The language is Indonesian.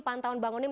pantauan bang unim